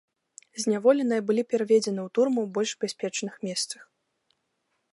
Зняволеныя былі пераведзены ў турмы ў больш бяспечных месцах.